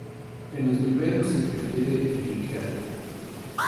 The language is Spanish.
En los viveros se prefiere el injerto.